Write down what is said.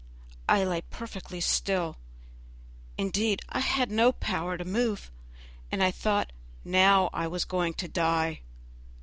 I lay perfectly still; indeed, I had no power to move, and I thought now I was going to die.